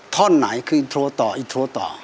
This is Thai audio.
ท่อนไหนคือโทรต่ออีกโทรต่อ